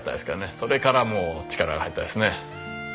それからもう力が入ったですね。